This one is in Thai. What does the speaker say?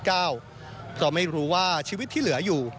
เพราะไม่รู้ว่าชีวิตที่เหลืออยู่